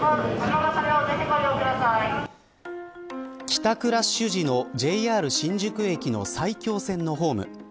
帰宅ラッシュ時のＪＲ新宿駅の埼京線のホーム。